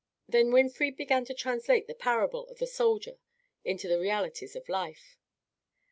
Then Winfried began to translate the parable of the soldier into the realities of life.